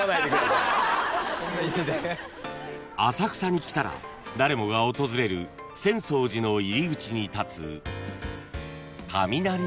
［浅草に来たら誰もが訪れる浅草寺の入り口に立つ雷門］